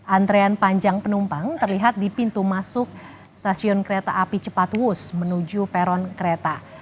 antrean panjang penumpang terlihat di pintu masuk stasiun kereta api cepat wus menuju peron kereta